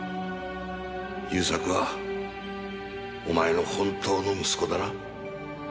勇作はお前の本当の息子だな？